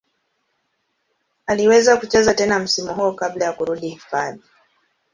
Aliweza kucheza tena msimu huo kabla ya kurudi hifadhi.